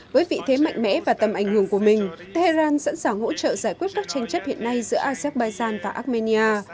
với vị thế mạnh mẽ và tầm ảnh hưởng của mình tehran sẵn sàng hỗ trợ giải quyết các tranh chấp hiện nay giữa azerbaijan và armenia